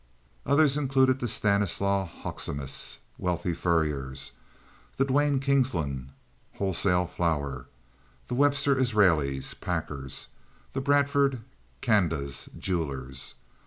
Others included the Stanislau Hoecksemas, wealthy furriers; the Duane Kingslands, wholesale flour; the Webster Israelses, packers; the Bradford Candas, jewelers.